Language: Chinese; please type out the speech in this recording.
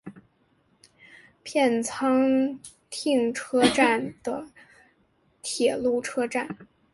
片仓町车站的铁路车站。